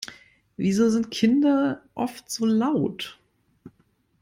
Wieso sind Kinder oft so laut?